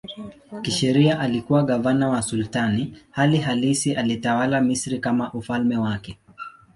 Kisheria alikuwa gavana wa sultani, hali halisi alitawala Misri kama ufalme wake.